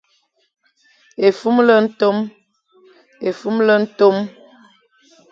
Efumle ntom ;